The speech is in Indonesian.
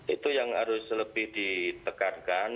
itu yang harus lebih ditekankan